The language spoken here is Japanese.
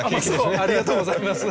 ありがとうございます。